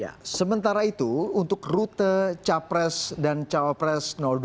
ya sementara itu untuk rute capres dan cawapres dua